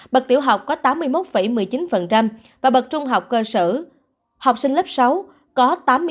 bật tiểu học có tám mươi một một mươi chín và bật trung học cơ sở học sinh lớp sáu có tám mươi bảy sáu mươi tám